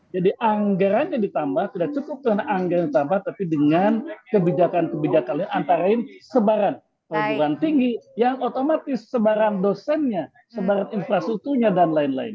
jadi anggarannya ditambah tidak cukup dengan anggaran ditambah tapi dengan kebijakan kebijakan lain antara sebaran perguruan tinggi yang otomatis sebaran dosennya sebaran infrastrukturnya dan lain lain